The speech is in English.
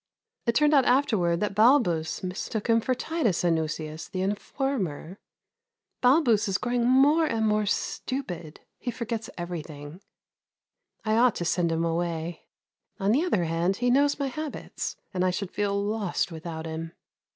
It turned out afterwards that Balbus mistook him for Titus Anuseius, the informer. Balbus is growing more and more stupid; he forgets everything. I ought to send him away; on the other hand, he knows my habits, and I should feel lost without him.